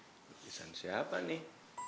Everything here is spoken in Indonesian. pemirsaan siapa nih